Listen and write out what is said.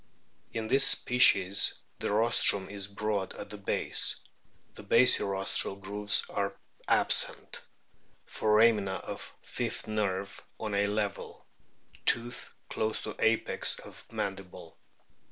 In this species the rostrum is broad at the base ; the basirostral grooves are absent ; foramina of fifth nerve on a level. Tooth close to apex of mandible.